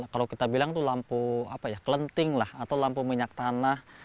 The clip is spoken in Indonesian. kalau kita bilang itu lampu kelenting lah atau lampu minyak tanah